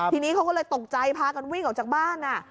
ทีนี้เขาก็เลยตกใจพากันวิ่งออกจากบ้าน